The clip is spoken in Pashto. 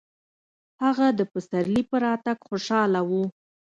هغه د پسرلي په راتګ خوشحاله و.